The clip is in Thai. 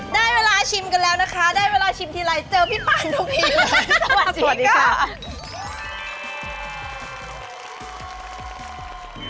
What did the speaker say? ได้เวลาชิมกันแล้วนะคะได้เวลาชิมทีไรเจอพี่ปานทุกทีแล้วสวัสดีค่ะ